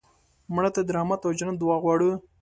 مړه ته د رحمت او جنت دعا غواړو